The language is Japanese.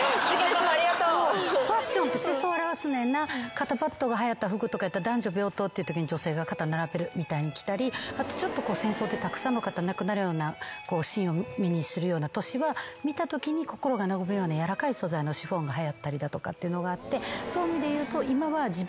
肩パッドがはやった服とかやったら男女平等っていうときに女性が肩並べるみたいに着たりあと戦争でたくさんの方亡くなるようなシーンを目にするような年は見たときに心が和むようなやわらかい素材のシフォンがはやったりだとかっていうのがあってそういう意味でいうと今は自分の枠。